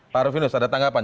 pak rufinus ada tanggapan